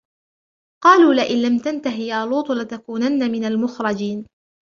قَالُوا لَئِنْ لَمْ تَنْتَهِ يَا لُوطُ لَتَكُونَنَّ مِنَ الْمُخْرَجِينَ